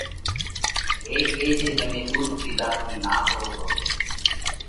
هيڪ اي جي تمي ۮُوڌ پِيڌا ٿِي نا ڪرو پرو